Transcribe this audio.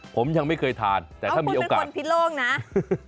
ผมยังไม่เคยทานแต่ถ้ามีโอกาสอ้าวคุณเป็นคนผิดโล่งนะ